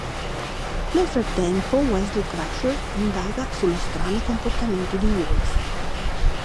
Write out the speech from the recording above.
Nel frattempo Wesley Crusher indaga sullo strano comportamento di Worf.